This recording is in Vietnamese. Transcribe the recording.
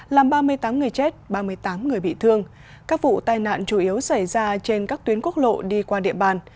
làm ba mươi tám người chết ba mươi tám người bị thương các vụ tai nạn chủ yếu xảy ra trên các tuyến quốc lộ đi qua địa bàn